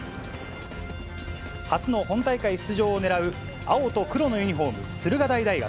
初の本大会出場をねらう青と黒のユニホーム、駿河台大学。